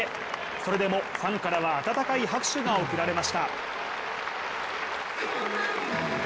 それでもファンからは温かい拍手が送られました。